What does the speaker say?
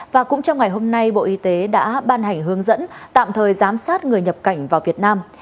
và cũng trong ngày hôm nay bộ y tế đã ban hành hướng dẫn tạm thời giám sát người nhập cảnh vào việt nam